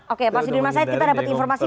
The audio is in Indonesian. oke mas adi prayitno kita dapat informasi